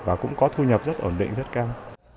và cũng có thu nhập rất ổn định rất cao